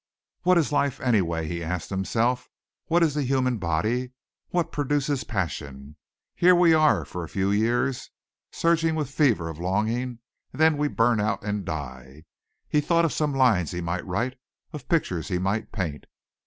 "What is life anyway?" he asked himself. "What is the human body? What produces passion? Here we are for a few years surging with a fever of longing and then we burn out and die." He thought of some lines he might write, of pictures he might paint.